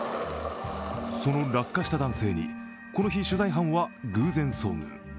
その落下した男性に、この日、取材班は偶然遭遇。